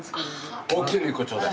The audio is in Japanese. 大きいの１個ちょうだい。